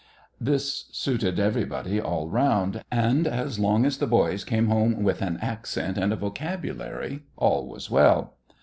This suited everybody all round; and as long as the boys came home with an accent and a vocabulary, all was well.